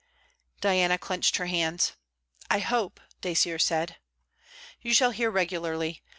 Diana clenched her hands. 'I hope!' Dacier said. 'You shall hear regularly.